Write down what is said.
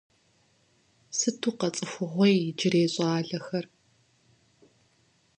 Сыту къэцӏыхугъуей иджырей щӏалэхэр…